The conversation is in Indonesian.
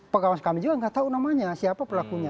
pekawas kami juga tidak tahu namanya siapa pelakunya